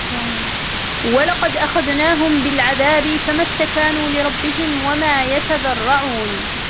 وَلَقَدْ أَخَذْنَاهُمْ بِالْعَذَابِ فَمَا اسْتَكَانُوا لِرَبِّهِمْ وَمَا يَتَضَرَّعُونَ